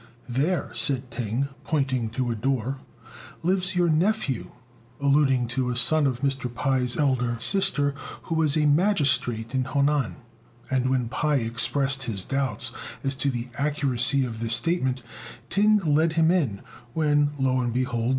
"There," said Ting, pointing to a door, "lives your nephew," alluding to a son of Mr. Pai's elder sister, who was a magistrate in Honan; and when Pai expressed his doubts as to the accuracy of this statement, Ting led him in, when, lo and behold!